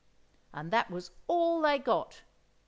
And that was all they got!